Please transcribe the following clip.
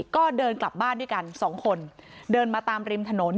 ก็เดินกลับบ้านด้วยกันสองคนเดินมาตามริมถนน